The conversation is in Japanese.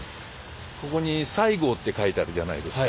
ここに「西郷」って書いてあるじゃないですか。